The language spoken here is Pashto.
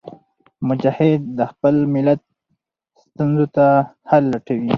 مجاهد د خپل ملت ستونزو ته حل لټوي.